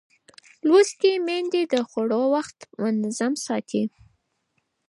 لوستې میندې د خوړو وخت منظم ساتي.